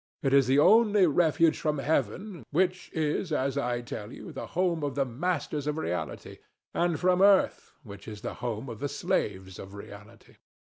It is the only refuge from heaven, which is, as I tell you, the home of the masters of reality, and from earth, which is the home of the slaves of reality.